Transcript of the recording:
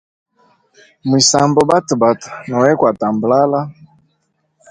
Mwisambe batabata nowe kwa tandabala.